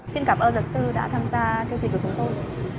xin cảm ơn luật sư đã tham gia chương trình của chúng tôi